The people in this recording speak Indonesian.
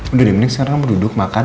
udah deh mending sekarang kamu duduk makan